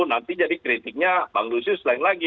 nanti jadi kritiknya bang lucio selain lagi